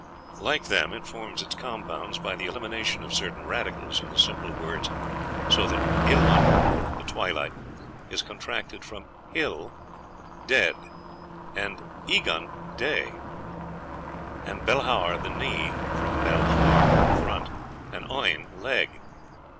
Like them, it forms its compounds by the elimination of certain radicals in the simple words; so that ilhun, the twilight, is contracted from hill, dead, and egun, day; and belhaur, the knee, from belhar, front, and oin, leg....